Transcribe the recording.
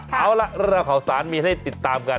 เอาละเล่าเขาสานมีให้ติดตามกัน